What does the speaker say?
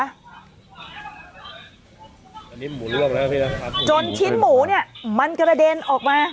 อันนี้หมุนลวกแล้วพี่นะครับจนชิ้นหมูเนี่ยมันกระเด็นออกมา